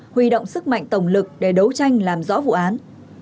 huy động sức mạnh tổng lực để đấu tranh làm rõ vụ án